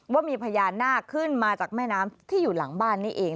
ว่ามีพญานาคขึ้นมาจากแม่น้ำที่อยู่หลังบ้านนี่เอง